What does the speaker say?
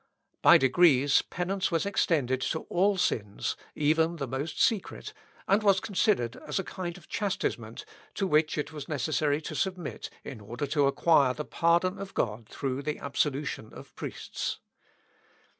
By degrees, penance was extended to all sins, even the most secret, and was considered as a kind of chastisement to which it was necessary to submit, in order to acquire the pardon of God through the absolution of priests.